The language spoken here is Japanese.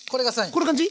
こんな感じ？